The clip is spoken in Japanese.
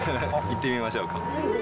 行ってみましょうか。